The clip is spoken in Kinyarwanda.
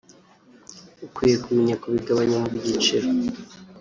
ukwiye kumenya kubigabanya mu byiciro